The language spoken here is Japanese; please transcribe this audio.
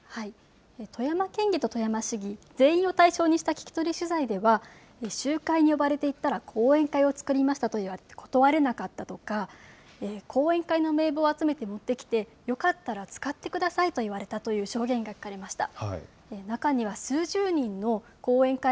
富山県議と富山市議、全員を対象にした聞き取り取材では、集会に呼ばれていったら後援会を作りましたと言われて断れなかったとか、後援会の名簿を集めて持ってきて、よかったら使ってくださいと言われたという証言が聞かれました。